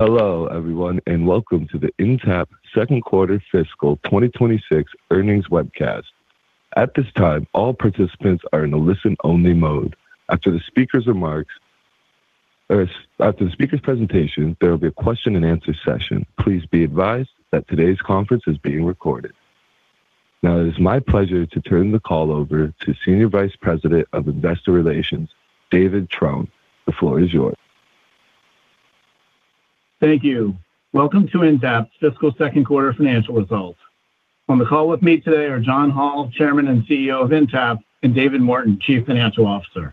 Hello` everyone and welcome to the Intapp second quarter fiscal 2026 earnings webcast. At this time all participants are in a listen-only mode. After the speaker's remarks or after the speaker's presentation there will be a question-and-answer session. Please be advised that today's conference is being recorded. Now it is my pleasure to turn the call over to Senior Vice President of Investor Relations David Trone. The floor is yours. Thank you. Welcome to Intapp's fiscal second quarter financial results. On the call with me today are John Hall, Chairman and CEO of Intapp, and David Morton, Chief Financial Officer.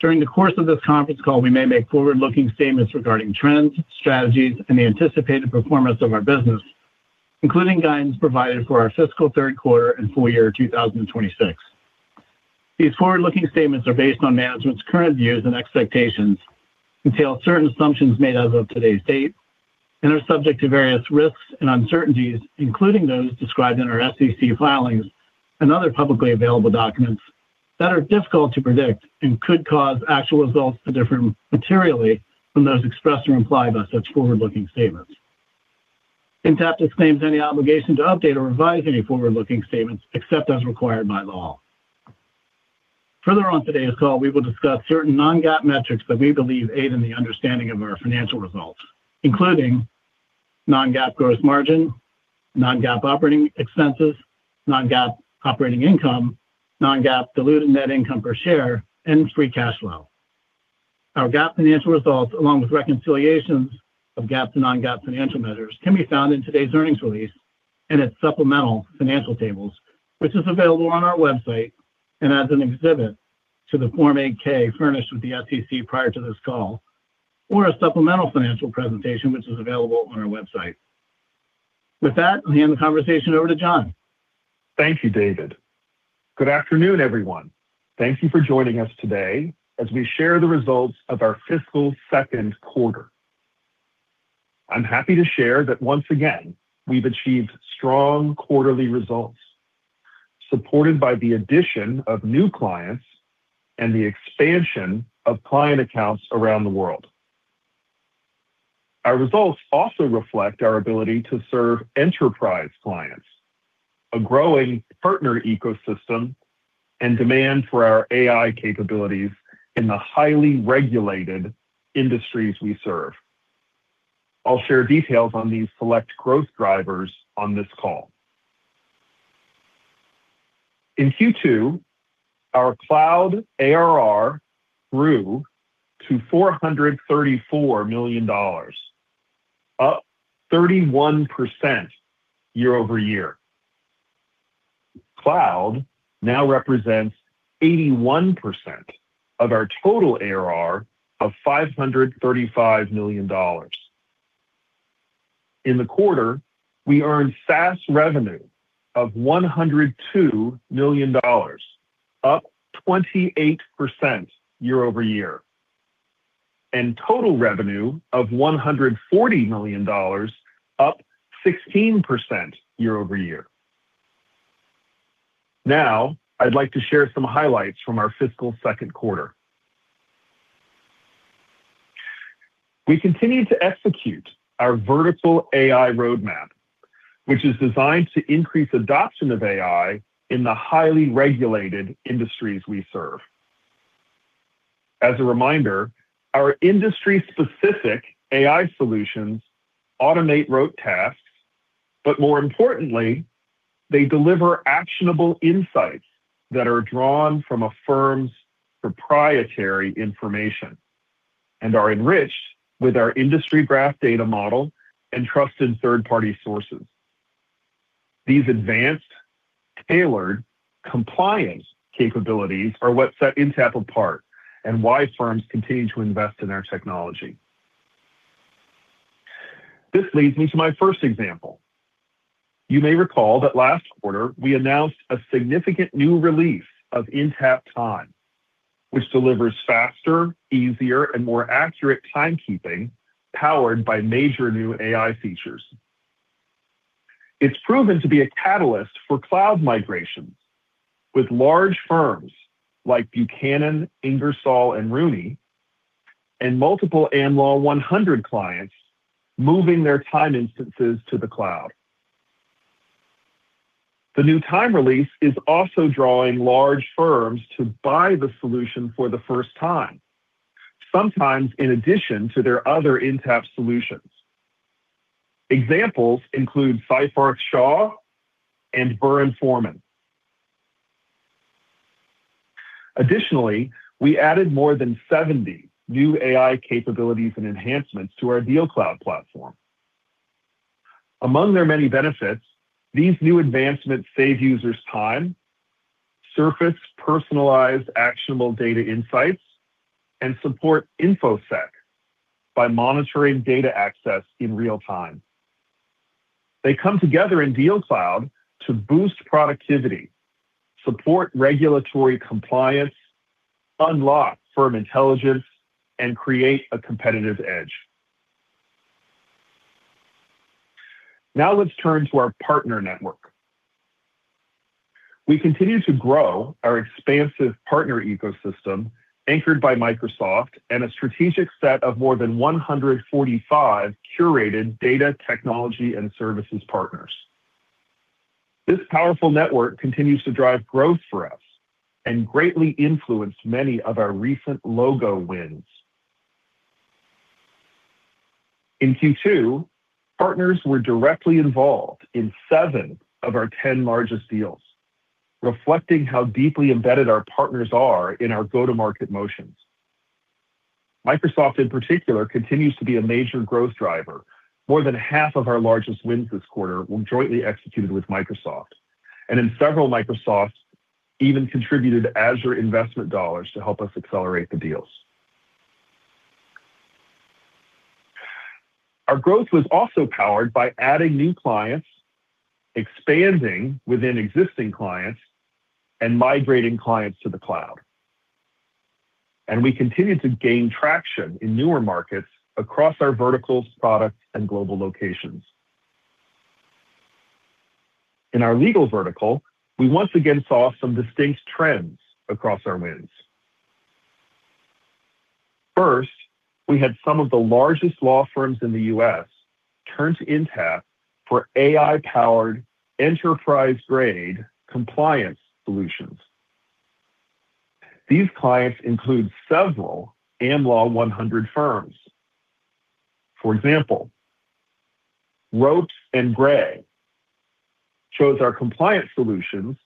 During the course of this conference call we may make forward-looking statements regarding trends, strategies, and the anticipated performance of our business, including guidance provided for our fiscal third quarter and full year 2026. These forward-looking statements are based on management's current views and expectations, entail certain assumptions made as of today's date, and are subject to various risks and uncertainties including those described in our SEC filings and other publicly available documents that are difficult to predict and could cause actual results to differ materially from those expressed or implied by such forward-looking statements. Intapp disclaims any obligation to update or revise any forward-looking statements except as required by law. Further on today's call we will discuss certain non-GAAP metrics that we believe aid in the understanding of our financial results, including non-GAAP gross margin, non-GAAP operating expenses, non-GAAP operating income, non-GAAP diluted net income per share, and free cash flow. Our GAAP financial results along with reconciliations of GAAP to non-GAAP financial measures can be found in today's earnings release and its supplemental financial tables which is available on our website and as an exhibit to the Form 8-K furnished with the SEC prior to this call, or a supplemental financial presentation which is available on our website. With that I'll hand the conversation over to John. Thank you David. Good afternoon everyone. Thank you for joining us today as we share the results of our fiscal second quarter. I'm happy to share that once again we've achieved strong quarterly results supported by the addition of new clients and the expansion of client accounts around the world. Our results also reflect our ability to serve enterprise clients, a growing partner ecosystem, and demand for our AI capabilities in the highly regulated industries we serve. I'll share details on these select growth drivers on this call. In Q2 our cloud ARR grew to $434 million, up 31% year-over-year. Cloud now represents 81% of our total ARR of $535 million. In the quarter we earned SaaS revenue of $102 million, up 28% year-over-year, and total revenue of $140 million, up 16% year-over-year. Now I'd like to share some highlights from our fiscal second quarter. We continue to execute our vertical AI roadmap which is designed to increase adoption of AI in the highly regulated industries we serve. As a reminder our industry-specific AI solutions automate rote tasks but more importantly they deliver actionable insights that are drawn from a firm's proprietary information and are enriched with our industry graph data model and trusted third-party sources. These advanced tailored compliance capabilities are what set Intapp apart and why firms continue to invest in our technology. This leads me to my first example. You may recall that last quarter we announced a significant new release of Intapp Time which delivers faster, easier, and more accurate timekeeping powered by major new AI features. It's proven to be a catalyst for cloud migrations with large firms like Buchanan Ingersoll & Rooney, and multiple Am Law 100 clients moving their time instances to the cloud. The new time release is also drawing large firms to buy the solution for the first time, sometimes in addition to their other Intapp solutions. Examples include Seyfarth Shaw and Burr & Forman. Additionally we added more than 70 new AI capabilities and enhancements to our DealCloud platform. Among their many benefits these new advancements save users time, surface personalized actionable data insights, and support InfoSec by monitoring data access in real time. They come together in DealCloud to boost productivity, support regulatory compliance, unlock firm intelligence, and create a competitive edge. Now let's turn to our partner network. We continue to grow our expansive partner ecosystem anchored by Microsoft and a strategic set of more than 145 curated data technology and services partners. This powerful network continues to drive growth for us and greatly influence many of our recent logo wins. In Q2 partners were directly involved in seven of our 10 largest deals, reflecting how deeply embedded our partners are in our go-to-market motions. Microsoft in particular continues to be a major growth driver. More than half of our largest wins this quarter were jointly executed with Microsoft, and in several Microsoft even contributed Azure investment dollars to help us accelerate the deals. Our growth was also powered by adding new clients, expanding within existing clients, and migrating clients to the cloud. We continue to gain traction in newer markets across our verticals, products, and global locations. In our legal vertical we once again saw some distinct trends across our wins. First we had some of the largest law firms in the U.S. turn to Intapp for AI-powered enterprise-grade compliance solutions. These clients include several Am Law 100 firms. For example, Ropes & Gray chose our compliance solutions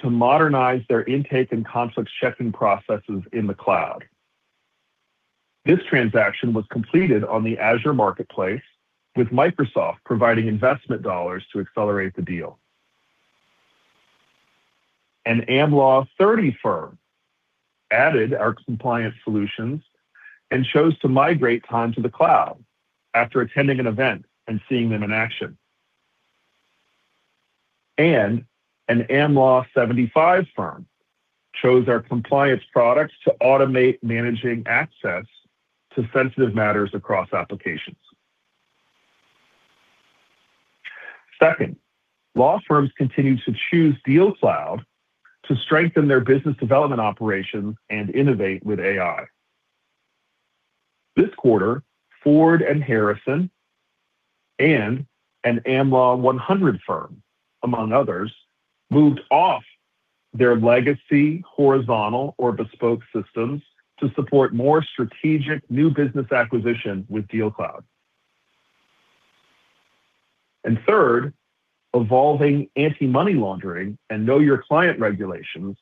to modernize their intake and conflict-checking processes in the cloud. This transaction was completed on the Azure Marketplace with Microsoft providing investment dollars to accelerate the deal. An Am Law 30 firm added our compliance solutions and chose to migrate time to the cloud after attending an event and seeing them in action. An Am Law 75 firm chose our compliance products to automate managing access to sensitive matters across applications. Second, law firms continue to choose DealCloud to strengthen their business development operations and innovate with AI. This quarter FordHarrison and an Am Law 100 firm, among others, moved off their legacy horizontal or bespoke systems to support more strategic new business acquisition with DealCloud. And third, evolving Anti-Money Laundering and Know Your Client regulations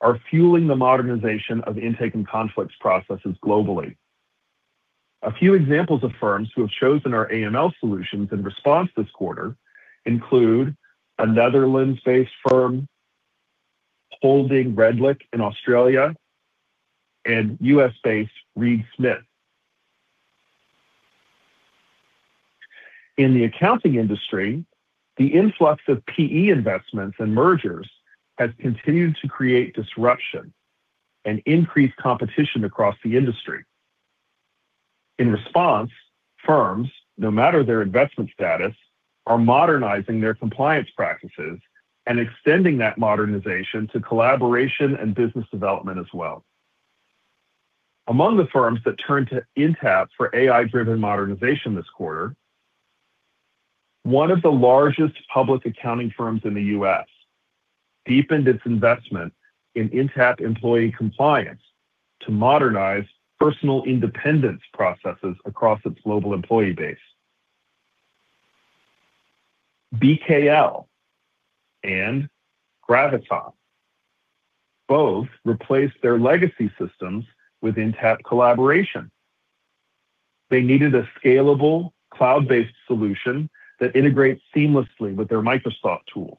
are fueling the modernization of intake and conflicts processes globally. A few examples of firms who have chosen our AML solutions in response this quarter include a Netherlands-based firm, Holding Redlich in Australia, and U.S.-based Reed Smith. In the accounting industry the influx of PE investments and mergers has continued to create disruption and increase competition across the industry. In response firms, no matter their investment status, are modernizing their compliance practices and extending that modernization to collaboration and business development as well. Among the firms that turned to Intapp for AI-driven modernization this quarter, one of the largest public accounting firms in the U.S. deepened its investment in Intapp Employee Compliance to modernize personal independence processes across its global employee base. BKL and Gravita both replaced their legacy systems with Intapp Collaboration. They needed a scalable cloud-based solution that integrates seamlessly with their Microsoft tools,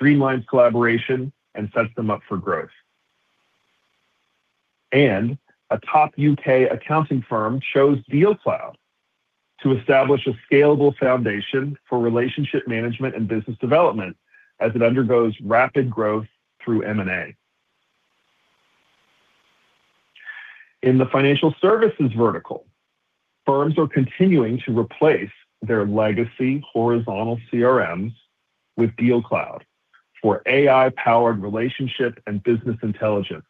streamlines collaboration, and sets them up for growth. A top U.K. accounting firm chose DealCloud to establish a scalable foundation for relationship management and business development as it undergoes rapid growth through M&A. In the financial services vertical, firms are continuing to replace their legacy horizontal CRMs with DealCloud for AI-powered relationship and business intelligence,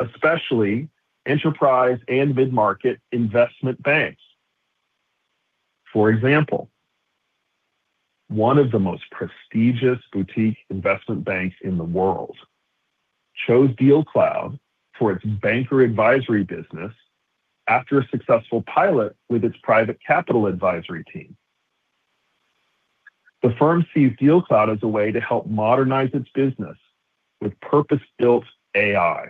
especially enterprise and mid-market investment banks. For example, one of the most prestigious boutique investment banks in the world chose DealCloud for its banker advisory business after a successful pilot with its private capital advisory team. The firm sees DealCloud as a way to help modernize its business with purpose-built AI,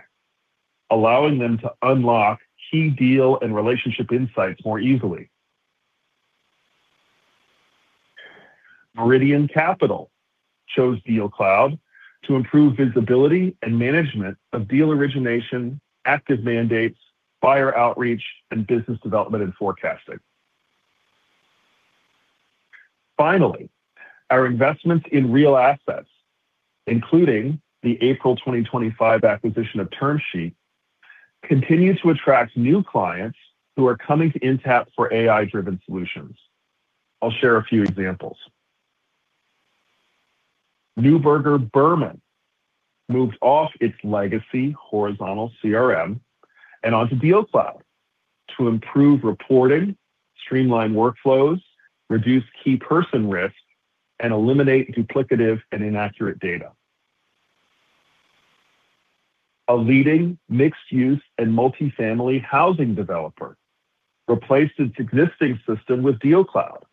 allowing them to unlock key deal and relationship insights more easily. Meridian Capital chose DealCloud to improve visibility and management of deal origination, active mandates, buyer outreach, and business development and forecasting. Finally, our investments in real assets, including the April 2025 acquisition of TermSheet, continue to attract new clients who are coming to Intapp for AI-driven solutions. I'll share a few examples. Neuberger Berman moved off its legacy horizontal CRM and onto DealCloud to improve reporting, streamline workflows, reduce key person risk, and eliminate duplicative and inaccurate data. A leading mixed-use and multifamily housing developer replaced its existing system with DealCloud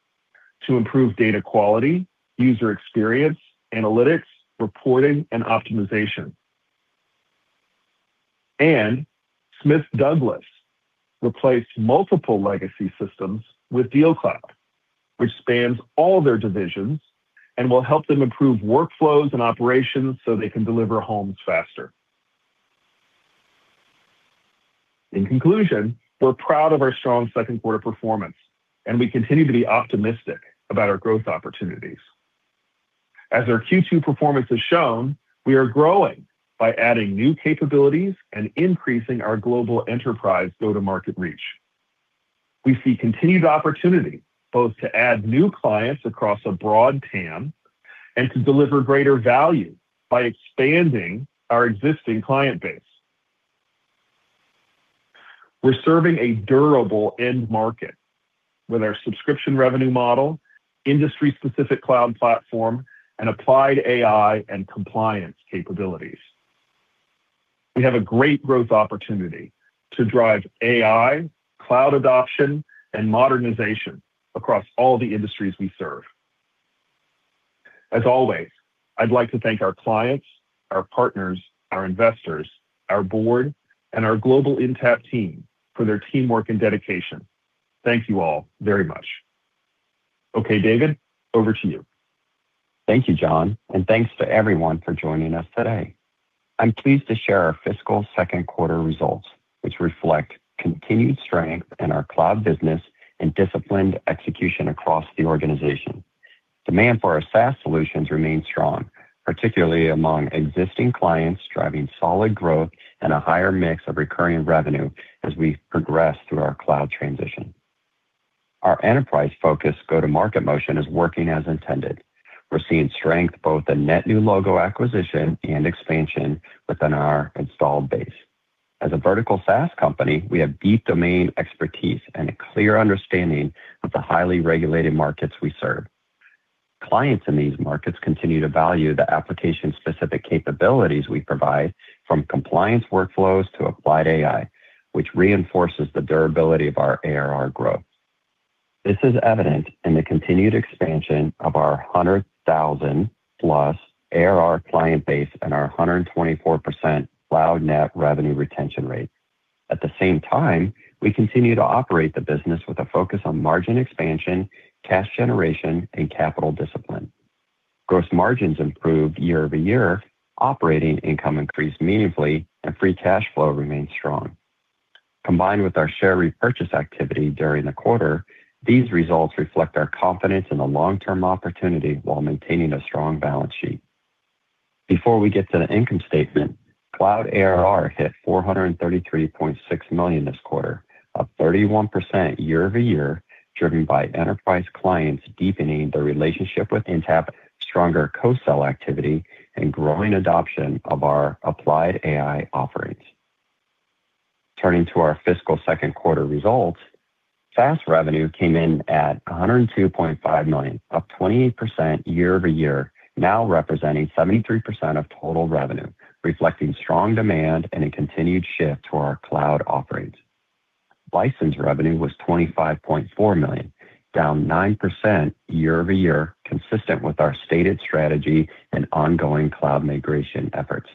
to improve data quality, user experience, analytics, reporting, and optimization. Smith Douglas replaced multiple legacy systems with DealCloud which spans all their divisions and will help them improve workflows and operations so they can deliver homes faster. In conclusion, we're proud of our strong second quarter performance and we continue to be optimistic about our growth opportunities. As our Q2 performance has shown, we are growing by adding new capabilities and increasing our global enterprise go-to-market reach. We see continued opportunity both to add new clients across a broad TAM and to deliver greater value by expanding our existing client base. We're serving a durable end market with our subscription revenue model, industry-specific cloud platform, and applied AI and compliance capabilities. We have a great growth opportunity to drive AI, cloud adoption, and modernization across all the industries we serve. As always I'd like to thank our clients, our partners, our investors, our board, and our global Intapp team for their teamwork and dedication. Thank you all very much. Okay David over to you. Thank you John and thanks to everyone for joining us today. I'm pleased to share our fiscal second quarter results which reflect continued strength in our cloud business and disciplined execution across the organization. Demand for our SaaS solutions remains strong, particularly among existing clients driving solid growth and a higher mix of recurring revenue as we progress through our cloud transition. Our enterprise focused go-to-market motion is working as intended. We're seeing strength both in net new logo acquisition and expansion within our installed base. As a vertical SaaS company we have deep domain expertise and a clear understanding of the highly regulated markets we serve. Clients in these markets continue to value the application-specific capabilities we provide from compliance workflows to applied AI which reinforces the durability of our ARR growth. This is evident in the continued expansion of our 100,000+ ARR client base and our 124% cloud net revenue retention rate. At the same time, we continue to operate the business with a focus on margin expansion, cash generation, and capital discipline. Gross margins improved year-over-year, operating income increased meaningfully, and free cash flow remains strong. Combined with our share repurchase activity during the quarter, these results reflect our confidence in the long-term opportunity while maintaining a strong balance sheet. Before we get to the income statement, cloud ARR hit $433.6 million this quarter, up 31% year-over-year, driven by enterprise clients deepening their relationship with Intapp, stronger co-sell activity, and growing adoption of our Applied AI offerings. Turning to our fiscal second quarter results, SaaS revenue came in at $102.5 million, up 28% year-over-year, now representing 73% of total revenue, reflecting strong demand and a continued shift toward our cloud offerings. License revenue was $25.4 million, down 9% year-over-year, consistent with our stated strategy and ongoing cloud migration efforts.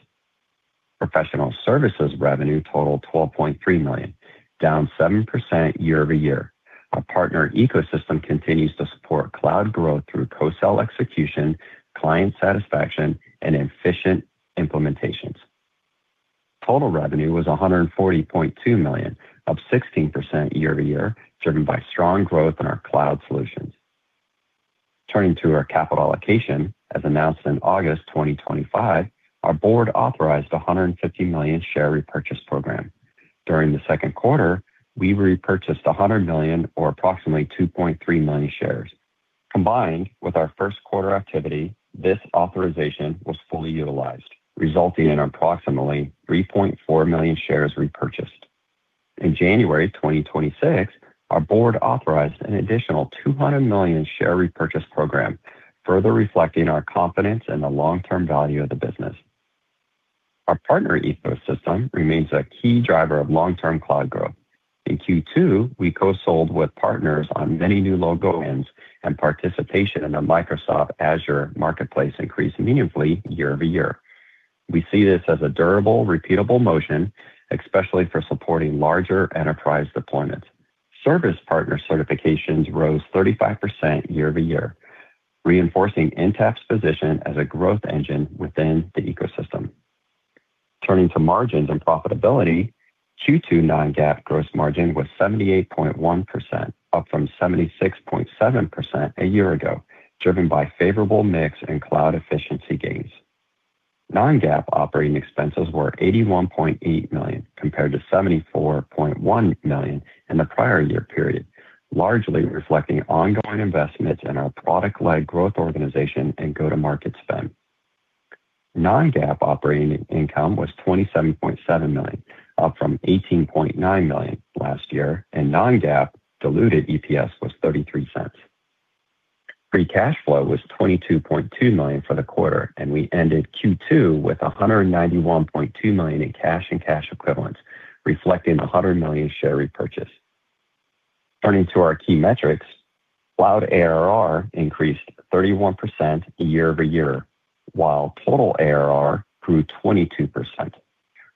Professional services revenue totaled $12.3 million, down 7% year-over-year. Our partner ecosystem continues to support cloud growth through co-sell execution, client satisfaction, and efficient implementations. Total revenue was $140.2 million, up 16% year-over-year, driven by strong growth in our cloud solutions. Turning to our capital allocation, as announced in August 2025, our board authorized a $150 million share repurchase program. During the second quarter, we repurchased $100 million or approximately 2.3 million shares. Combined with our first quarter activity, this authorization was fully utilized resulting in approximately 3.4 million shares repurchased. In January 2026, our board authorized an additional $200 million share repurchase program further reflecting our confidence in the long-term value of the business. Our partner ecosystem remains a key driver of long-term cloud growth. In Q2 we co-sold with partners on many new logo wins and participation in the Microsoft Azure Marketplace increased meaningfully year-over-year. We see this as a durable repeatable motion especially for supporting larger enterprise deployments. Service partner certifications rose 35% year-over-year reinforcing Intapp's position as a growth engine within the ecosystem. Turning to margins and profitability, Q2 non-GAAP gross margin was 78.1%, up from 76.7% a year ago driven by favorable mix and cloud efficiency gains. Non-GAAP operating expenses were $81.8 million compared to $74.1 million in the prior year period, largely reflecting ongoing investments in our product-led growth organization and go-to-market spend. Non-GAAP operating income was $27.7 million, up from $18.9 million last year, and non-GAAP diluted EPS was $0.33. Free cash flow was $22.2 million for the quarter and we ended Q2 with $191.2 million in cash and cash equivalents reflecting $100 million share repurchase. Turning to our key metrics. Cloud ARR increased 31% year-over-year while total ARR grew 22%.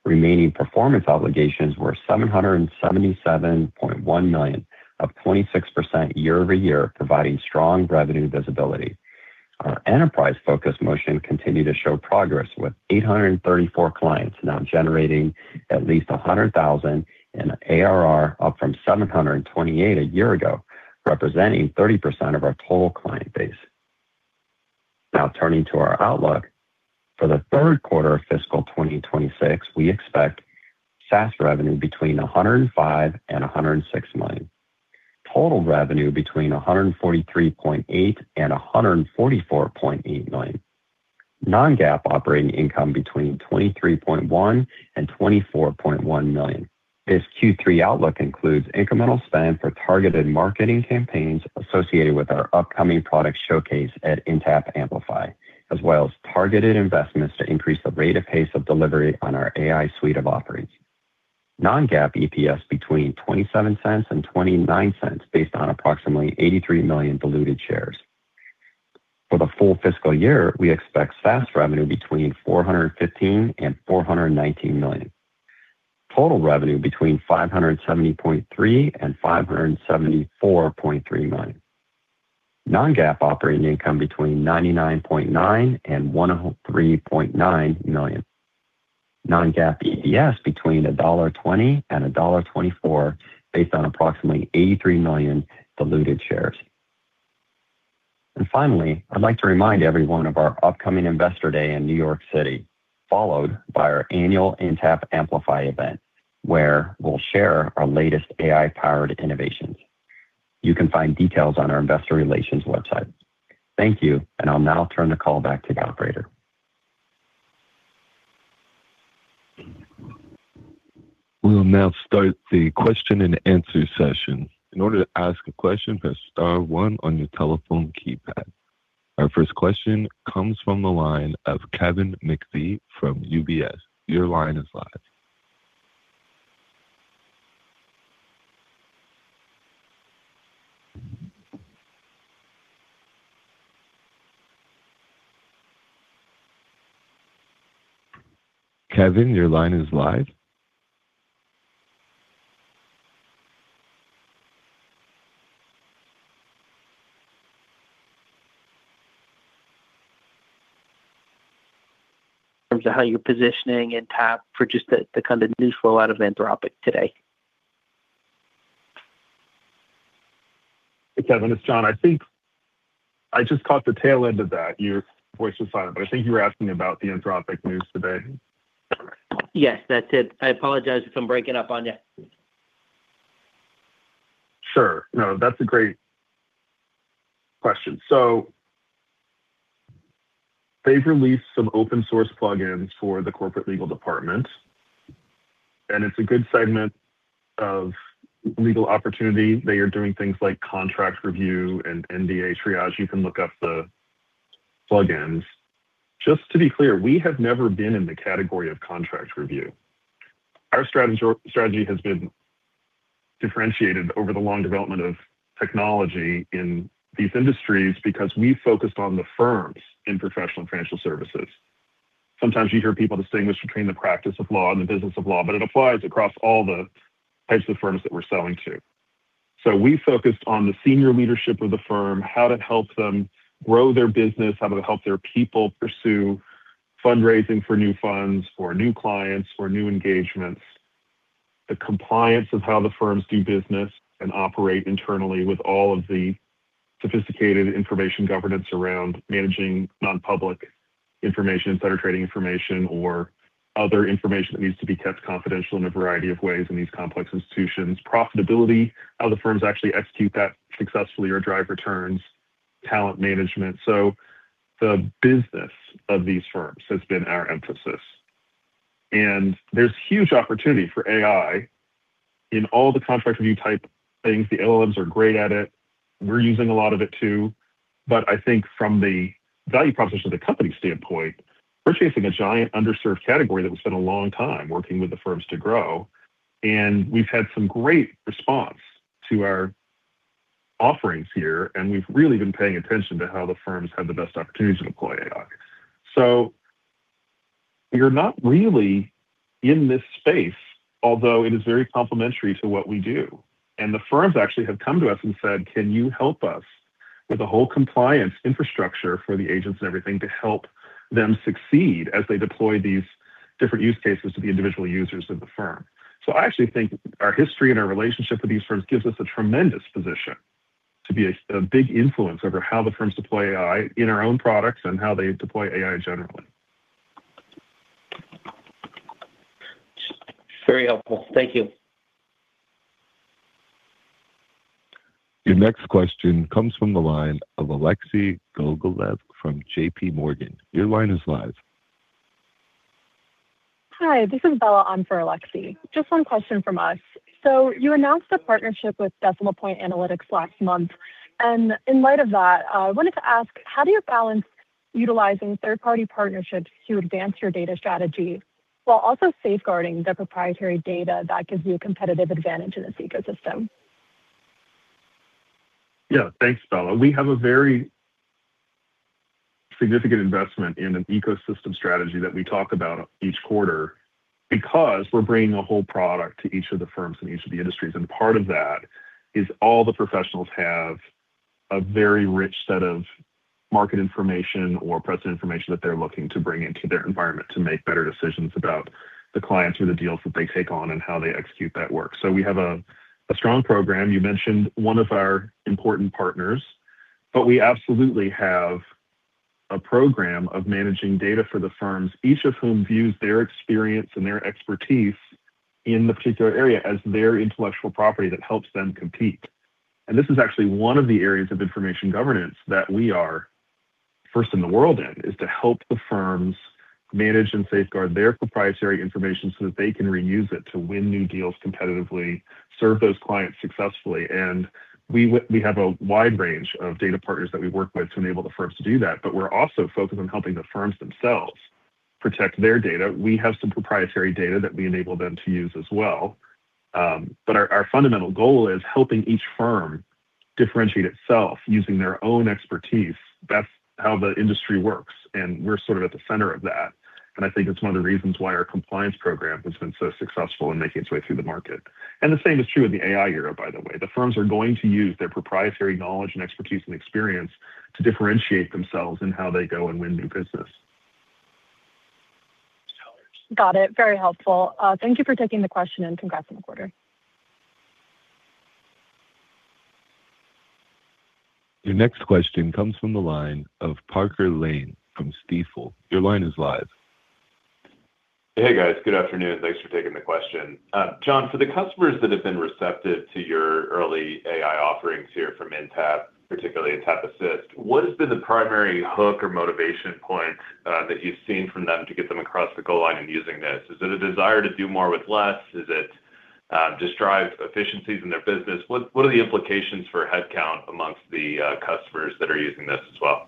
Remaining performance obligations were $777.1 million, up 26% year-over-year providing strong revenue visibility. Our enterprise focused motion continued to show progress with 834 clients now generating at least $100,000 in ARR up from 728 a year ago representing 30% of our total client base. Now turning to our outlook for the third quarter of fiscal 2026, we expect SaaS revenue between $105 million and $106 million. Total revenue between $143.8 million and $144.8 million. Non-GAAP operating income between $23.1 million and $24.1 million. This Q3 outlook includes incremental spend for targeted marketing campaigns associated with our upcoming product showcase at Intapp Amplify as well as targeted investments to increase the rate of pace of delivery on our AI suite of offerings. Non-GAAP EPS between $0.27 and $0.29 based on approximately 83 million diluted shares. For the full fiscal year we expect SaaS revenue between $415 million and $419 million. Total revenue between $570.3 million and $574.3 million. Non-GAAP operating income between $99.9 million and $103.9 million. Non-GAAP EPS between $1.20 and $1.24 based on approximately 83 million diluted shares. Finally I'd like to remind everyone of our upcoming Investor Day in New York City followed by our annual Intapp Amplify event where we'll share our latest AI-powered innovations. You can find details on our investor relations website. Thank you and I'll now turn the call back to the operator. We'll now start the question and answer session. In order to ask a question press star one on your telephone keypad. Our first question comes from the line of Kevin McVeigh from UBS. Your line is live. Kevin your line is live. In terms of how you're positioning Intapp for just the kind of news flow out of Anthropic today. Hey Kevin, it's John. I think I just caught the tail end of that. Your voice was silent but I think you were asking about the Anthropic news today. Yes, that's it. I apologize if I'm breaking up on you. Sure. No, that's a great question. So, they've released some open-source plugins for the corporate legal department, and it's a good segment of legal opportunity. They are doing things like contract review and NDA triage. You can look up the plugins. Just to be clear, we have never been in the category of contract review. Our strategy has been differentiated over the long development of technology in these industries because we focused on the firms in professional financial services. Sometimes you hear people distinguish between the practice of law and the business of law, but it applies across all the types of firms that we're selling to. So, we focused on the senior leadership of the firm, how to help them grow their business, how to help their people pursue fundraising for new funds, for new clients, for new engagements. The compliance of how the firms do business and operate internally with all of the sophisticated information governance around managing non-public information, etc., trading information, or other information that needs to be kept confidential in a variety of ways in these complex institutions. Profitability, how the firms actually execute that successfully or drive returns. Talent management. So the business of these firms has been our emphasis. And there's huge opportunity for AI in all the contract review type things. The LLMs are great at it. We're using a lot of it too. But I think from the value proposition of the company standpoint we're chasing a giant underserved category that we spent a long time working with the firms to grow and we've had some great response to our offerings here and we've really been paying attention to how the firms have the best opportunities to deploy AI. So we are not really in this space although it is very complementary to what we do. And the firms actually have come to us and said, "Can you help us with a whole compliance infrastructure for the agents and everything to help them succeed as they deploy these different use cases to the individual users of the firm." So I actually think our history and our relationship with these firms gives us a tremendous position to be a big influence over how the firms deploy AI in our own products and how they deploy AI generally. Very helpful. Thank you. Your next question comes from the line of Alexei Gogolev from JPMorgan. Your line is live. Hi, this is Bella on for Alexei. Just one question from us. So you announced a partnership with Decimal Point Analytics last month and in light of that I wanted to ask how do you balance utilizing third-party partnerships to advance your data strategy while also safeguarding the proprietary data that gives you a competitive advantage in this ecosystem? Yeah, thanks, Bella. We have a very significant investment in an ecosystem strategy that we talk about each quarter because we're bringing a whole product to each of the firms and each of the industries and part of that is all the professionals have a very rich set of market information or present information that they're looking to bring into their environment to make better decisions about the clients or the deals that they take on and how they execute that work. So we have a strong program. You mentioned one of our important partners, but we absolutely have a program of managing data for the firms each of whom views their experience and their expertise in the particular area as their intellectual property that helps them compete. And this is actually one of the areas of information governance that we are first in the world in is to help the firms manage and safeguard their proprietary information so that they can reuse it to win new deals competitively, serve those clients successfully. And we have a wide range of data partners that we work with to enable the firms to do that, but we're also focused on helping the firms themselves protect their data. We have some proprietary data that we enable them to use as well. But our fundamental goal is helping each firm differentiate itself using their own expertise. That's how the industry works and we're sort of at the center of that. And I think it's one of the reasons why our compliance program has been so successful in making its way through the market. The same is true in the AI era by the way. The firms are going to use their proprietary knowledge and expertise and experience to differentiate themselves in how they go and win new business. Got it. Very helpful. Thank you for taking the question and congrats on the quarter. Your next question comes from the line of Parker Lane from Stifel. Your line is live. Hey guys. Good afternoon. Thanks for taking the question. John, for the customers that have been receptive to your early AI offerings here from Intapp, particularly Intapp Assist, what has been the primary hook or motivation point that you've seen from them to get them across the goal line in using this? Is it a desire to do more with less? Is it just drive efficiencies in their business? What are the implications for headcount amongst the customers that are using this as well?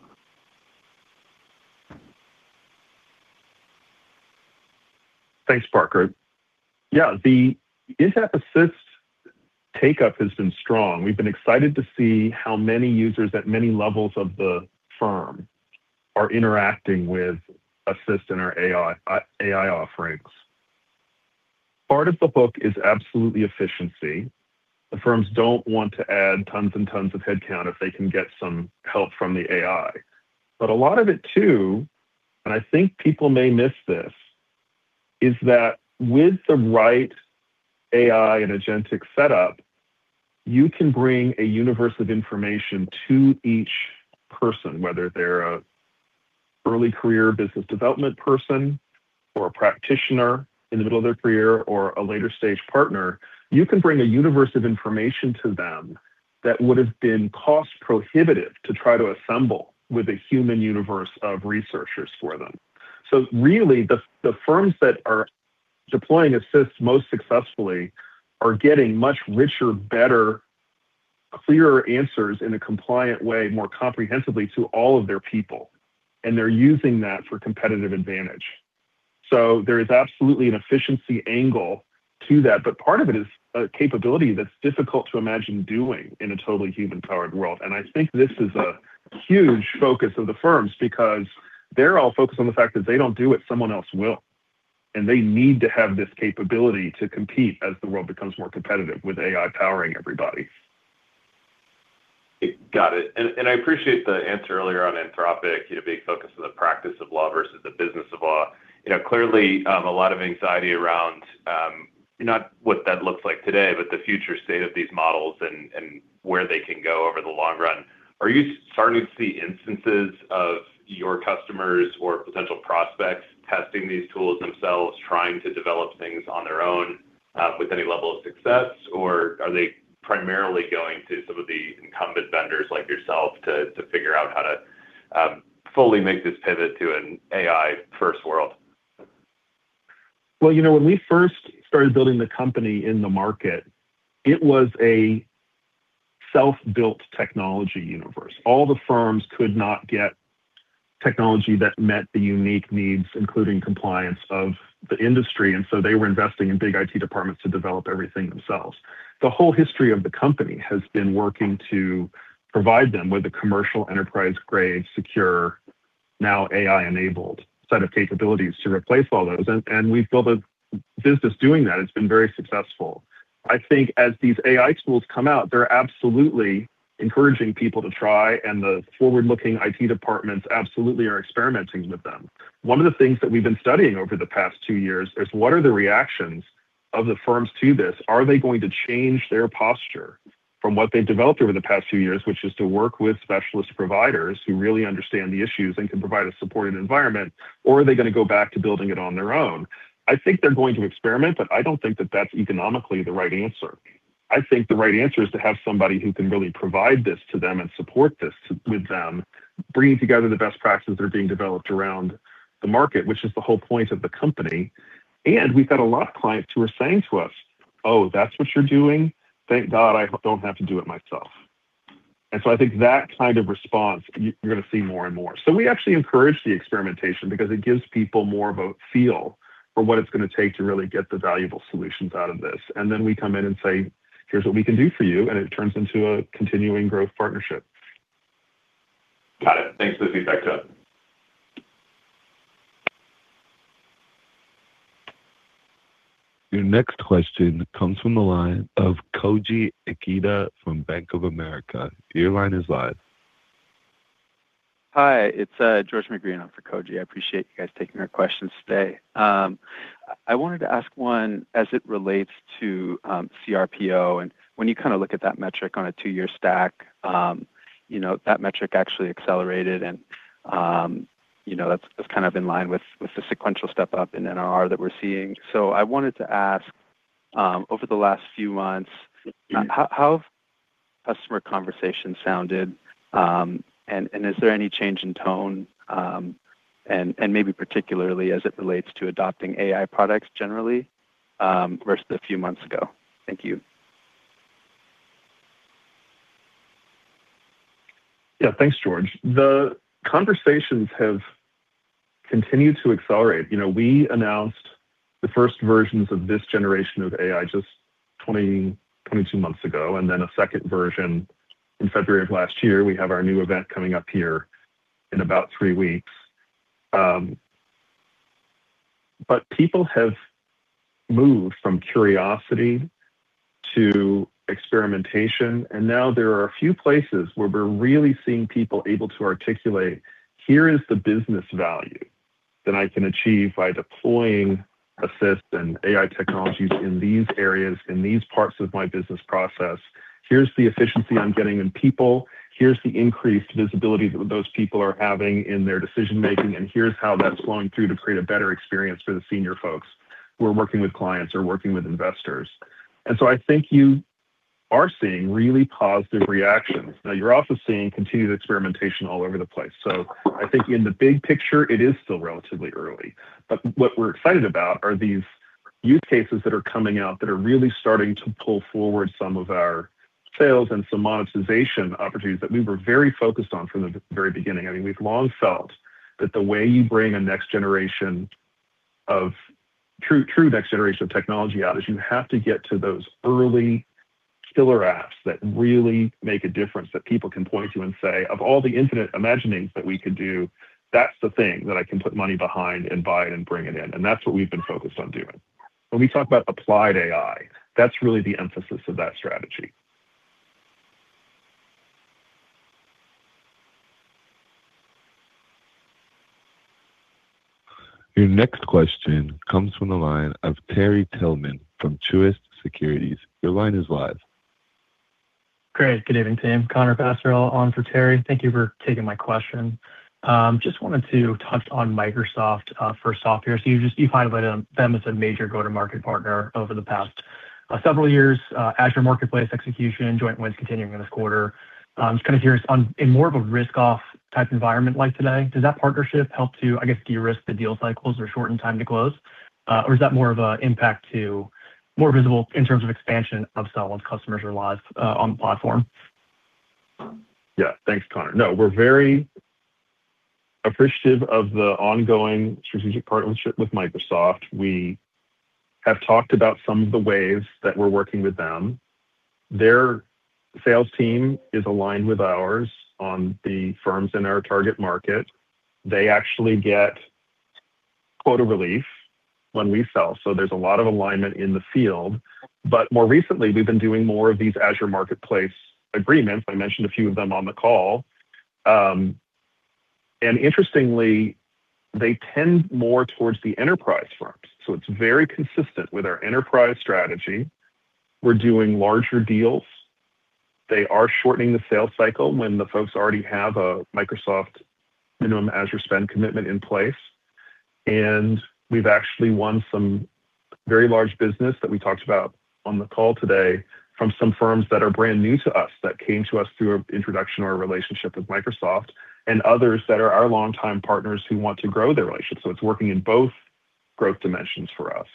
Thanks Parker. Yeah, the Intapp Assist takeup has been strong. We've been excited to see how many users at many levels of the firm are interacting with Assist and our AI offerings. Part of the hook is absolutely efficiency. The firms don't want to add tons and tons of headcount if they can get some help from the AI. But a lot of it too, and I think people may miss this, is that with the right AI and agentic setup you can bring a universe of information to each person whether they're an early career business development person or a practitioner in the middle of their career or a later stage partner. You can bring a universe of information to them that would have been cost prohibitive to try to assemble with a human universe of researchers for them. So really the firms that are deploying Assist most successfully are getting much richer, better, clearer answers in a compliant way more comprehensively to all of their people and they're using that for competitive advantage. So there is absolutely an efficiency angle to that but part of it is a capability that's difficult to imagine doing in a totally human-powered world. And I think this is a huge focus of the firms because they're all focused on the fact that they don't do it. Someone else will. And they need to have this capability to compete as the world becomes more competitive with AI powering everybody. Got it. I appreciate the answer earlier on Anthropic, you know, being focused on the practice of law versus the business of law. You know, clearly a lot of anxiety around not what that looks like today but the future state of these models and where they can go over the long run. Are you starting to see instances of your customers or potential prospects testing these tools themselves, trying to develop things on their own with any level of success, or are they primarily going to some of the incumbent vendors like yourself to figure out how to fully make this pivot to an AI-first world? Well you know when we first started building the company in the market it was a self-built technology universe. All the firms could not get technology that met the unique needs including compliance of the industry and so they were investing in big IT departments to develop everything themselves. The whole history of the company has been working to provide them with a commercial enterprise-grade secure now AI-enabled set of capabilities to replace all those. We've built a business doing that. It's been very successful. I think as these AI tools come out they're absolutely encouraging people to try and the forward-looking IT departments absolutely are experimenting with them. One of the things that we've been studying over the past two years is what are the reactions of the firms to this? Are they going to change their posture from what they've developed over the past few years, which is to work with specialist providers who really understand the issues and can provide a supported environment, or are they going to go back to building it on their own? I think they're going to experiment, but I don't think that that's economically the right answer. I think the right answer is to have somebody who can really provide this to them and support this with them, bringing together the best practices that are being developed around the market, which is the whole point of the company. And we've had a lot of clients who are saying to us, "Oh, that's what you're doing. Thank God I don't have to do it myself." And so I think that kind of response you're going to see more and more. So we actually encourage the experimentation because it gives people more of a feel for what it's going to take to really get the valuable solutions out of this. And then we come in and say here's what we can do for you and it turns into a continuing growth partnership. Got it. Thanks for the feedback, John. Your next question comes from the line of Koji Ikeda from Bank of America. Your line is live. Hi, it's George McGreehan up for Koji. I appreciate you guys taking our questions today. I wanted to ask one as it relates to cRPO and when you kind of look at that metric on a two-year stack you know that metric actually accelerated and you know that's kind of in line with the sequential step up in NRR that we're seeing. So I wanted to ask over the last few months how have customer conversations sounded and is there any change in tone and maybe particularly as it relates to adopting AI products generally versus a few months ago? Thank you. Yeah, thanks George. The conversations have continued to accelerate. You know we announced the first versions of this generation of AI just 20-22 months ago and then a second version in February of last year. We have our new event coming up here in about three weeks. But people have moved from curiosity to experimentation and now there are a few places where we're really seeing people able to articulate here is the business value that I can achieve by deploying Assist and AI technologies in these areas in these parts of my business process. Here's the efficiency I'm getting in people. Here's the increased visibility that those people are having in their decision making and here's how that's flowing through to create a better experience for the senior folks who are working with clients or working with investors. And so I think you are seeing really positive reactions. Now you're also seeing continued experimentation all over the place. So I think in the big picture it is still relatively early, but what we're excited about are these use cases that are coming out that are really starting to pull forward some of our sales and some monetization opportunities that we were very focused on from the very beginning. I mean, we've long felt that the way you bring a next generation of true next generation of technology out is you have to get to those early killer apps that really make a difference that people can point to and say of all the infinite imaginings that we could do that's the thing that I can put money behind and buy it and bring it in. And that's what we've been focused on doing. When we talk about applied AI, that's really the emphasis of that strategy. Your next question comes from the line of Terry Tillman from Truist Securities. Your line is live. Great. Good evening, team. Connor Passarella on for Terry. Thank you for taking my question. Just wanted to touch on Microsoft for software. So you find them as a major go-to-market partner over the past several years. Azure Marketplace execution joint wins continuing in this quarter. Just kind of curious, in more of a risk-off type environment like today, does that partnership help to, I guess, de-risk the deal cycles or shorten time to close or is that more of an impact, more visible in terms of expansion of sell once customers are live on the platform? Yeah, thanks Connor. No, we're very appreciative of the ongoing strategic partnership with Microsoft. We have talked about some of the ways that we're working with them. Their sales team is aligned with ours on the firms in our target market. They actually get quota relief when we sell. So there's a lot of alignment in the field. But more recently we've been doing more of these Azure Marketplace agreements. I mentioned a few of them on the call. And interestingly they tend more towards the enterprise firms. So it's very consistent with our enterprise strategy. We're doing larger deals. They are shortening the sales cycle when the folks already have a Microsoft minimum Azure spend commitment in place. And we've actually won some very large business that we talked about on the call today from some firms that are brand new to us that came to us through an introduction or a relationship with Microsoft and others that are our longtime partners who want to grow their relationship. So it's working in both growth dimensions for us.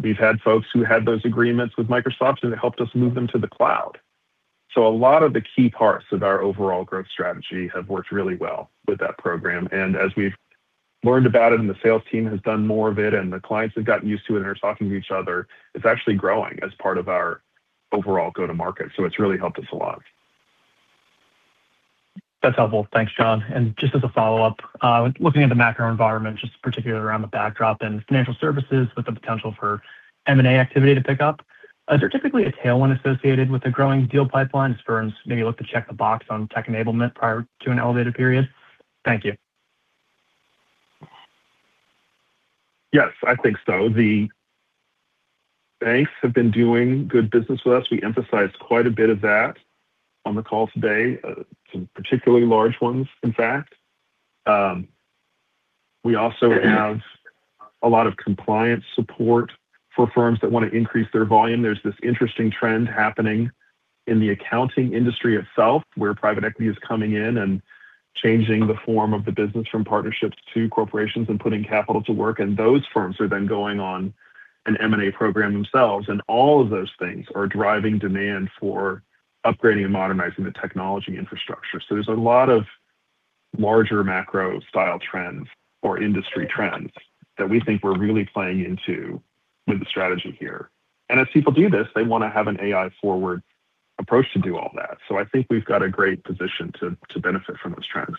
We've had folks who had those agreements with Microsoft and it helped us move them to the cloud. So a lot of the key parts of our overall growth strategy have worked really well with that program. And as we've learned about it and the sales team has done more of it and the clients have gotten used to it and are talking to each other it's actually growing as part of our overall go-to-market. So it's really helped us a lot. That's helpful. Thanks John. Just as a follow-up looking at the macro environment just particularly around the backdrop in financial services with the potential for M&A activity to pick up is there typically a tailwind associated with the growing deal pipeline as firms maybe look to check the box on tech enablement prior to an elevated period? Thank you. Yes, I think so. The banks have been doing good business with us. We emphasized quite a bit of that on the call today. Some particularly large ones in fact. We also have a lot of compliance support for firms that want to increase their volume. There's this interesting trend happening in the accounting industry itself where private equity is coming in and changing the form of the business from partnerships to corporations and putting capital to work. And those firms are then going on an M&A program themselves. And all of those things are driving demand for upgrading and modernizing the technology infrastructure. So there's a lot of larger macro style trends or industry trends that we think we're really playing into with the strategy here. And as people do this, they want to have an AI-forward approach to do all that. I think we've got a great position to benefit from those trends.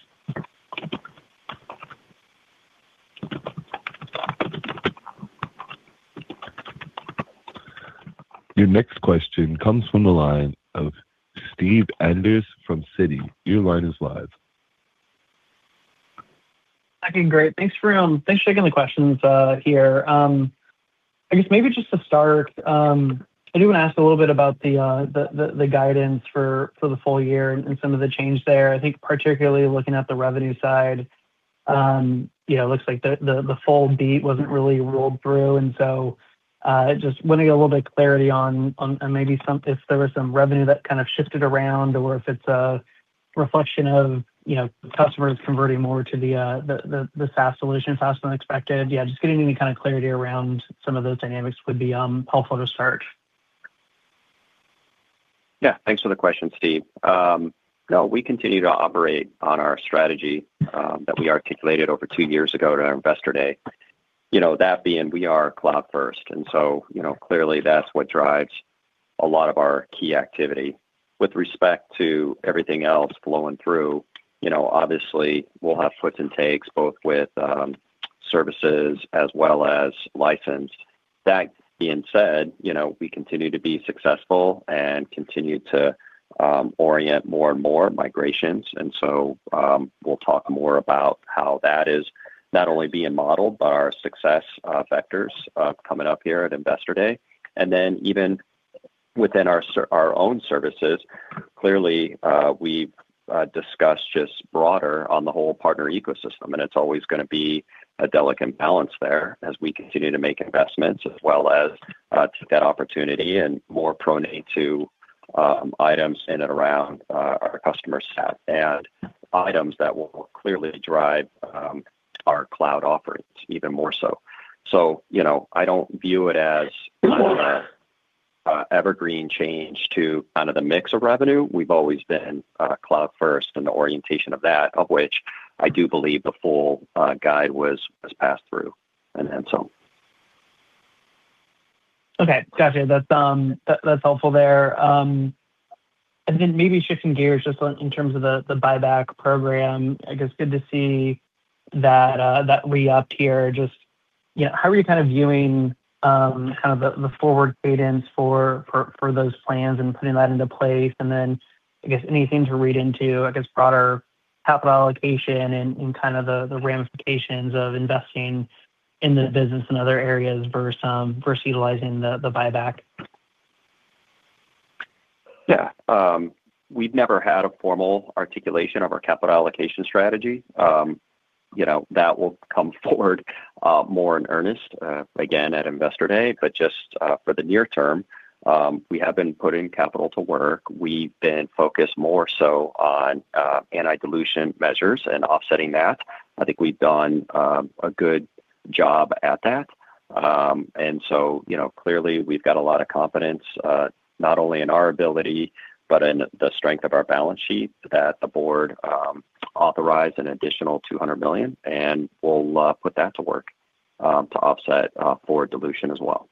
Your next question comes from the line of Steve Enders from Citi. Your line is live. I think great. Thanks for taking the questions here. I guess maybe just to start, I do want to ask a little bit about the guidance for the full year and some of the change there. I think particularly looking at the revenue side, you know, it looks like the full beat wasn't really rolled through. And so just want to get a little bit of clarity on maybe if there was some revenue that kind of shifted around or if it's a reflection of customers converting more to the SaaS solution faster than expected. Yeah, just getting any kind of clarity around some of those dynamics would be helpful to start. Yeah, thanks for the question, Steve. No, we continue to operate on our strategy that we articulated over two years ago at our Investor Day. You know, that being we are cloud-first. And so, you know, clearly that's what drives a lot of our key activity. With respect to everything else flowing through, you know, obviously we'll have puts and takes both with services as well as license. That being said, you know, we continue to be successful and continue to orient more and more migrations. And so we'll talk more about how that is not only being modeled but our success vectors coming up here at Investor Day. And then even within our own services, clearly we've discussed just broader on the whole partner ecosystem. It's always going to be a delicate balance there as we continue to make investments as well as take that opportunity and more prone to items in and around our customer set and items that will clearly drive our cloud offerings even more so. So you know I don't view it as an evergreen change to kind of the mix of revenue. We've always been cloud-first in the orientation of that of which I do believe the full guide was passed through and then so. Okay, gotcha. That's helpful there. And then maybe shifting gears just in terms of the buyback program, I guess good to see that re-upped here. Just how are you kind of viewing kind of the forward cadence for those plans and putting that into place? And then I guess anything to read into I guess broader capital allocation and kind of the ramifications of investing in the business in other areas versus utilizing the buyback? Yeah we've never had a formal articulation of our capital allocation strategy. You know that will come forward more in earnest again at Investor Day. But just for the near term we have been putting capital to work. We've been focused more so on anti-dilution measures and offsetting that. I think we've done a good job at that. And so you know clearly we've got a lot of confidence not only in our ability but in the strength of our balance sheet that the board authorized an additional $200 million and we'll put that to work to offset for dilution as well.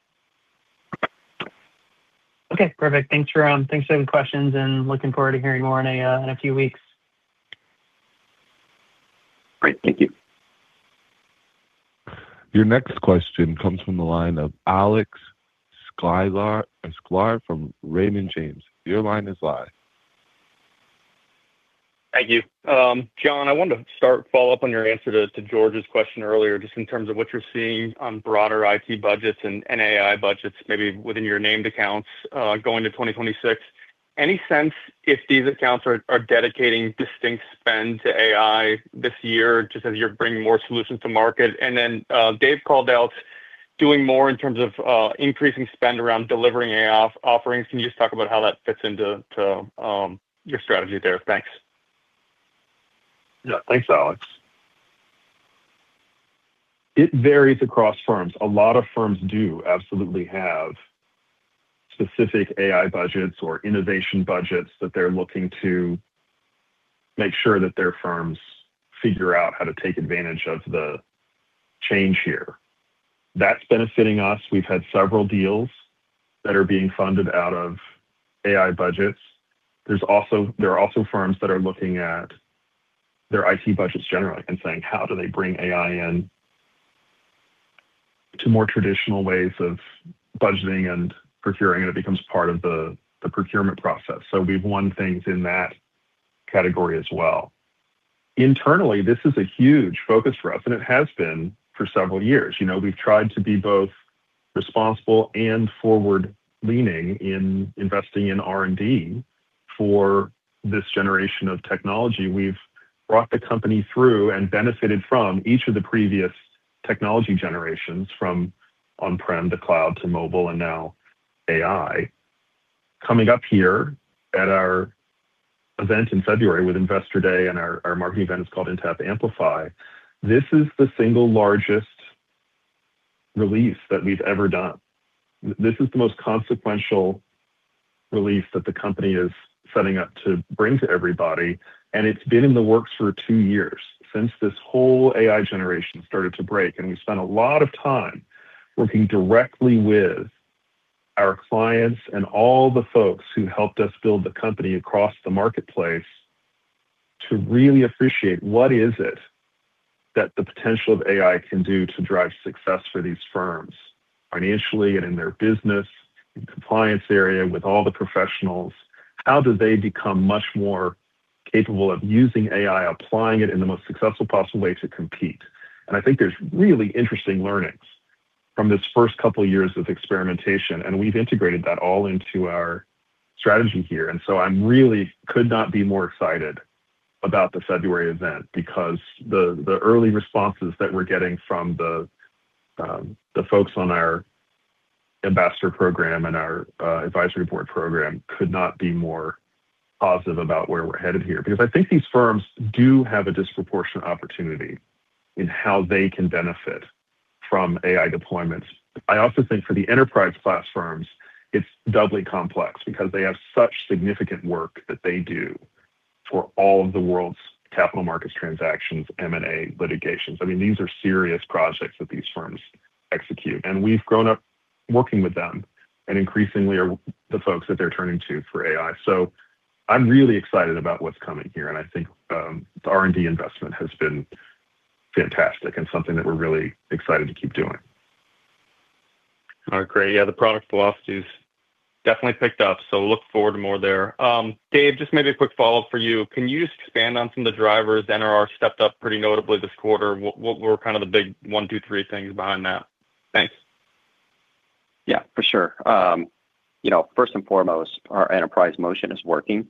Okay, perfect. Thanks for taking the questions and looking forward to hearing more in a few weeks. Great. Thank you. Your next question comes from the line of Alex Sklar from Raymond James. Your line is live. Thank you, John. I wanted to start follow-up on your answer to George's question earlier just in terms of what you're seeing on broader IT budgets and AI budgets maybe within your named accounts going to 2026. Any sense if these accounts are dedicating distinct spend to AI this year just as you're bringing more solutions to market? And then Dave called out doing more in terms of increasing spend around delivering AI offerings. Can you just talk about how that fits into your strategy there? Thanks. Yeah, thanks Alex. It varies across firms. A lot of firms do absolutely have specific AI budgets or innovation budgets that they're looking to make sure that their firms figure out how to take advantage of the change here. That's benefiting us. We've had several deals that are being funded out of AI budgets. There are also firms that are looking at their IT budgets generally and saying how do they bring AI in to more traditional ways of budgeting and procuring and it becomes part of the procurement process. So we've won things in that category as well. Internally this is a huge focus for us and it has been for several years. You know we've tried to be both responsible and forward-leaning in investing in R&D for this generation of technology. We've brought the company through and benefited from each of the previous technology generations from on-prem to cloud to mobile and now AI. Coming up here at our event in February with Investor Day and our marketing event is called Intapp Amplify. This is the single largest release that we've ever done. This is the most consequential release that the company is setting up to bring to everybody. And it's been in the works for two years since this whole AI generation started to break. And we spent a lot of time working directly with our clients and all the folks who helped us build the company across the marketplace to really appreciate what is it that the potential of AI can do to drive success for these firms financially and in their business compliance area with all the professionals. How do they become much more capable of using AI, applying it in the most successful possible way to compete? I think there's really interesting learnings from this first couple of years of experimentation, and we've integrated that all into our strategy here. So I'm really could not be more excited about the February event because the early responses that we're getting from the folks on our ambassador program and our advisory board program could not be more positive about where we're headed here. Because I think these firms do have a disproportionate opportunity in how they can benefit from AI deployments. I also think for the enterprise class firms it's doubly complex because they have such significant work that they do for all of the world's capital markets transactions, M&A litigations. I mean these are serious projects that these firms execute and we've grown up working with them and increasingly are the folks that they're turning to for AI. So I'm really excited about what's coming here and I think the R&D investment has been fantastic and something that we're really excited to keep doing. All right, great. Yeah, the product philosophies definitely picked up, so look forward to more there. Dave, just maybe a quick follow-up for you. Can you just expand on some of the drivers? NRR stepped up pretty notably this quarter. What were kind of the big one, two, three things behind that? Thanks. Yeah, for sure. You know, first and foremost, our enterprise motion is working.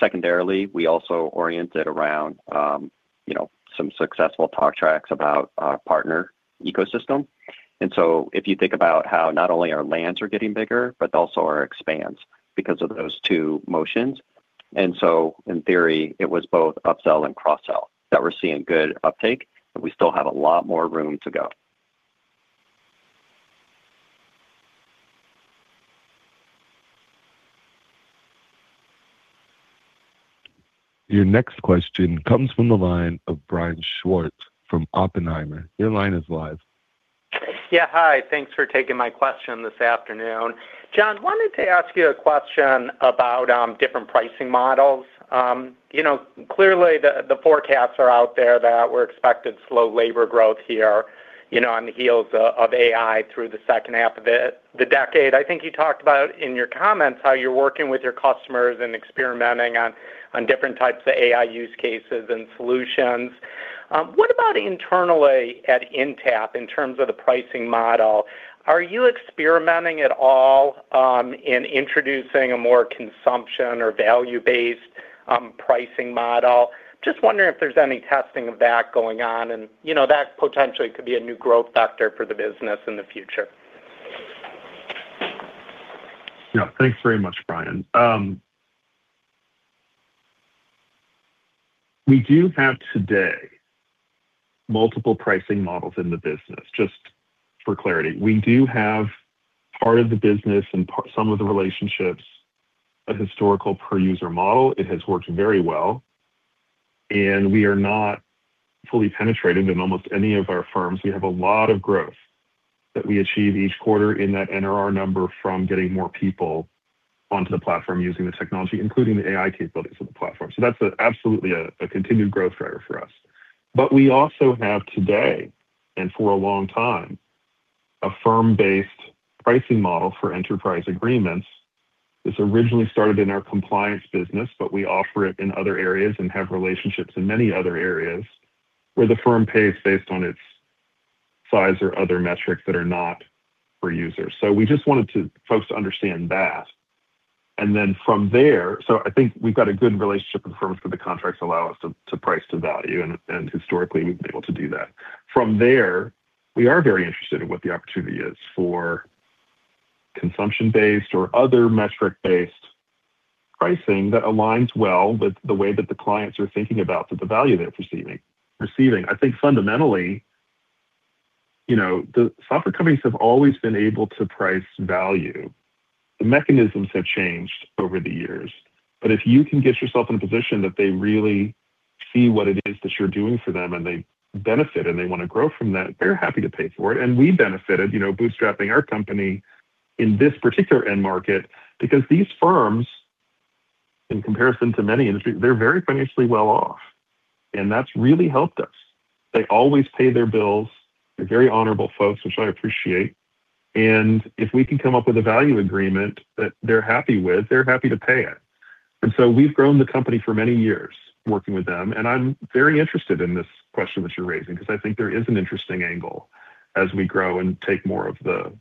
Secondarily, we also oriented around, you know, some successful talk tracks about our partner ecosystem. And so if you think about how not only our lands are getting bigger but also our expands because of those two motions. And so, in theory, it was both upsell and cross-sell that we're seeing good uptake, and we still have a lot more room to go. Your next question comes from the line of Brian Schwartz from Oppenheimer. Your line is live. Yeah, hi. Thanks for taking my question this afternoon. John wanted to ask you a question about different pricing models. You know clearly the forecasts are out there that we're expected slow labor growth here on the heels of AI through the second half of the decade. I think you talked about in your comments how you're working with your customers and experimenting on different types of AI use cases and solutions. What about internally at Intapp in terms of the pricing model? Are you experimenting at all in introducing a more consumption or value-based pricing model? Just wondering if there's any testing of that going on and you know that potentially could be a new growth vector for the business in the future. Yeah, thanks very much, Brian. We do have today multiple pricing models in the business. Just for clarity, we do have part of the business and some of the relationships a historical per-user model. It has worked very well and we are not fully penetrated in almost any of our firms. We have a lot of growth that we achieve each quarter in that NRR number from getting more people onto the platform using the technology including the AI capabilities of the platform. So that's absolutely a continued growth driver for us. But we also have today and for a long time a firm-based pricing model for enterprise agreements. This originally started in our compliance business but we offer it in other areas and have relationships in many other areas where the firm pays based on its size or other metrics that are not per-user. So we just wanted folks to understand that. And then from there, so I think we've got a good relationship with the firms because the contracts allow us to price to value and historically we've been able to do that. From there we are very interested in what the opportunity is for consumption-based or other metric-based pricing that aligns well with the way that the clients are thinking about the value they're receiving. I think fundamentally you know the software companies have always been able to price value. The mechanisms have changed over the years. But if you can get yourself in a position that they really see what it is that you're doing for them and they benefit and they want to grow from that they're happy to pay for it. We benefited bootstrapping our company in this particular end market because these firms, in comparison to many industries, they're very financially well off and that's really helped us. They always pay their bills. They're very honorable folks which I appreciate. And if we can come up with a value agreement that they're happy with, they're happy to pay it. And so we've grown the company for many years working with them and I'm very interested in this question that you're raising because I think there is an interesting angle as we grow and take more of the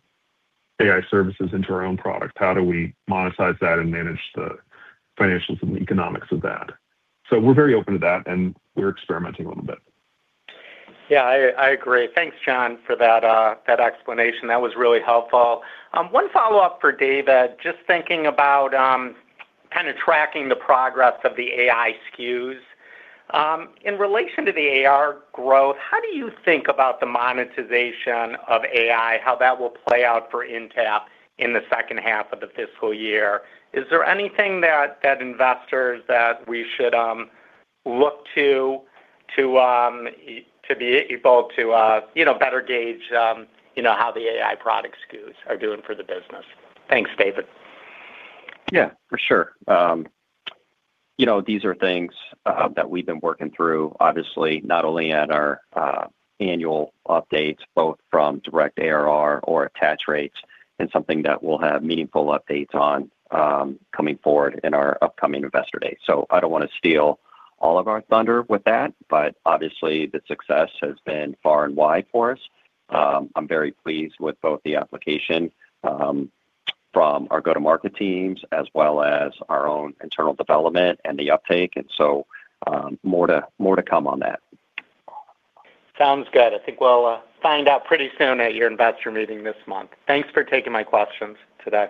AI services into our own product. How do we monetize that and manage the financials and the economics of that? So we're very open to that and we're experimenting a little bit. Yeah, I agree. Thanks, John, for that explanation. That was really helpful. One follow-up for Dave, just thinking about kind of tracking the progress of the AI SKUs. In relation to the ARR growth, how do you think about the monetization of AI, how that will play out for Intapp in the second half of the fiscal year? Is there anything that investors that we should look to to be able to better gauge how the AI product SKUs are doing for the business? Thanks, David. Yeah, for sure. You know, these are things that we've been working through, obviously not only at our annual updates both from direct ARR or attach rates and something that we'll have meaningful updates on coming forward in our upcoming Investor Day. So I don't want to steal all of our thunder with that, but obviously the success has been far and wide for us. I'm very pleased with both the application from our go-to-market teams as well as our own internal development and the uptake. And so more to come on that. Sounds good. I think we'll find out pretty soon at your investor meeting this month. Thanks for taking my questions today.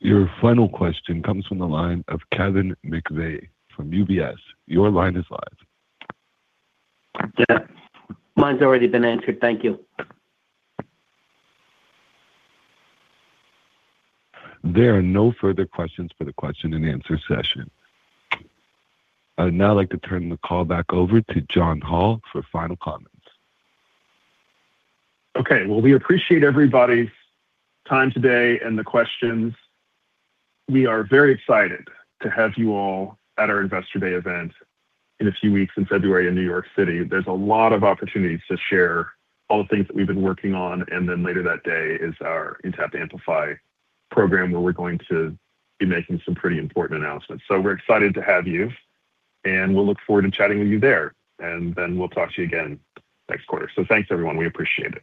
Your final question comes from the line of Kevin McVeigh from UBS. Your line is live. Yeah mine's already been answered. Thank you. There are no further questions for the question and answer session. I'd now like to turn the call back over to John Hall for final comments. Okay, well, we appreciate everybody's time today and the questions. We are very excited to have you all at our Investor Day event in a few weeks in February in New York City. There's a lot of opportunities to share all the things that we've been working on, and then later that day is our Intapp Amplify program where we're going to be making some pretty important announcements. So we're excited to have you, and we'll look forward to chatting with you there, and then we'll talk to you again next quarter. So thanks, everyone. We appreciate it.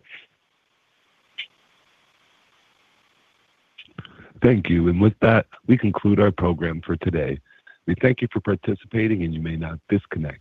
Thank you. With that we conclude our program for today. We thank you for participating and you may now disconnect.